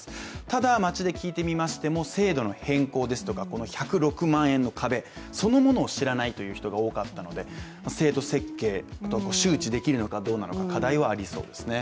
ただ、町で聞いてみましても制度の変更ですとか、１０６万円の壁そのものを知らないという人が多かったので、制度設計、周知できるのかどうかなど課題はありそうですね。